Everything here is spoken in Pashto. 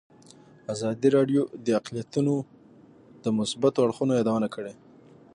ازادي راډیو د اقلیتونه د مثبتو اړخونو یادونه کړې.